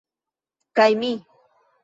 Kaj mi